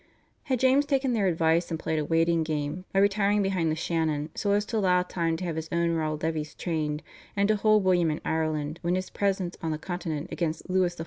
Had James taken their advice and played a waiting game, by retiring behind the Shannon so as to allow time to have his own raw levies trained, and to hold William in Ireland when his presence on the Continent against Louis XIV.